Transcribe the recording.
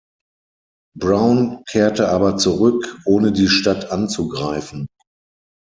Brown kehrte aber zurück, ohne die Stadt anzugreifen.